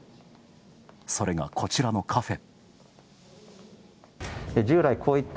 それが、こちらのカフェ。